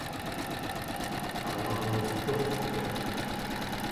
qavangurturtuq